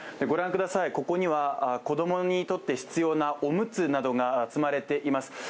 ご覧ください、ここには子供にとって必要なおむつなどが積まれています。